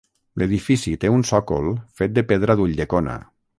L'edifici té un sòcol fet de pedra d'Ulldecona.